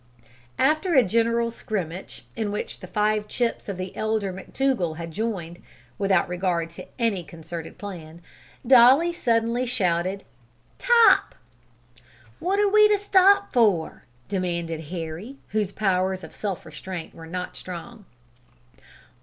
After a general "scrimmage," in which the five chips of the elder McTougall had joined, without regard to any concerted plan, Dolly suddenly shouted "'Top!" "What are we to stop for?" demanded Harry, whose powers of self restraint were not strong.